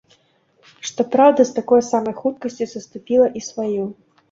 Што праўда, з такой самай хуткасцю саступіла і сваю.